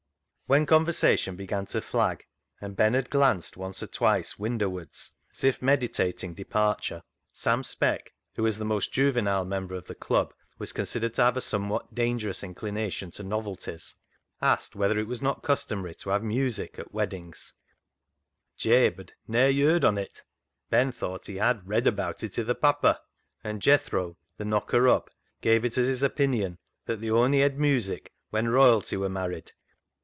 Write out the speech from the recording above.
When conversation began to flag, and Ben had glanced once or twice window wards as if meditating departure, Sam Speck, who, as the most juvenile member of the Club, was con sidered to have a somewhat dangerous inclina tion to novelties, asked whether it was not customary to have music at weddings. 96 CLOG SHOP CHRONICLES Jabe had " ne'er yerd on't." Ben thought he had " read about it i' th' papper," and Jethro, the knocker up, gave it as his opinion that " they on'y hed music when royalty were married."